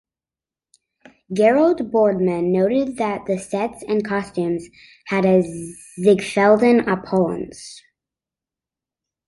Gerald Bordman noted that the sets and costumes had a Ziegfeldian opulence.